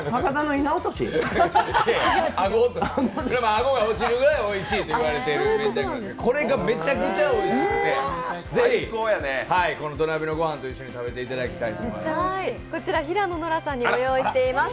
顎が落ちるくらいおいしいと言われてるくらいこれがめちゃくちゃおいしくて、ぜひ土鍋の御飯と一緒に食べていただきたいと思います。